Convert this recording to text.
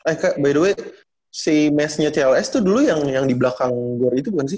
eh kak by the way si mesnya cls tuh dulu yang di belakang gue itu bukan sih